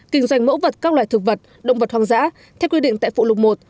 kinh doanh mẫu vật các loại thực vật động vật hoang dã theo quy định tại phụ lục một